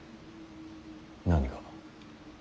何が。